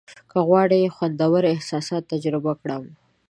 که غواړم خوندور احساسات تجربه کړم.